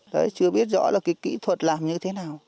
đấy chưa biết rõ là cái kỹ thuật làm như thế nào